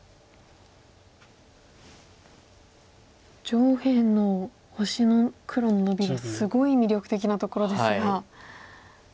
上辺の星の黒のノビがすごい魅力的なところですが。